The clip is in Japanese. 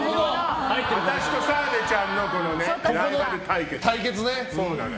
私と澤部ちゃんの対決。